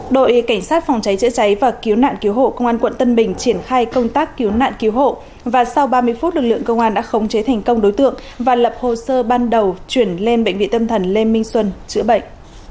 đội cảnh sát phòng cháy chữa cháy và cứu nạn cứu hộ công an quận tân bình triển khai công tác cứu nạn cứu hộ và sau ba mươi phút lực lượng công an đã khống chế thành công đối tượng và lập hồ sơ ban đầu chuyển lên bệnh viện tâm thần lê minh xuân chữa bệnh